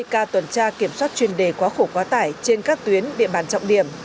hai mươi ca tuần tra kiểm soát chuyên đề quá khổ quá tải trên các tuyến địa bàn trọng điểm